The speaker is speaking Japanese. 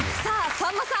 さんまさん！